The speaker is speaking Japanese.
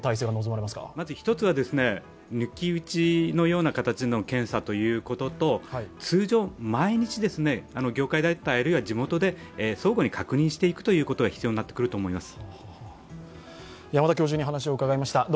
まず抜き打ちのような形の検査と通常、毎日業界団体あるいは地元で相互に確認していくということが必要になってくると思います。